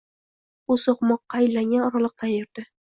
U so’qmoqqa aylangan oraliqdan yurdi.